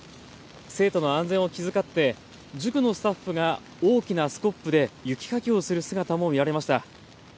生徒の安全を気遣って塾のスタッフが大きなスコップで雪かきをする姿も見られました。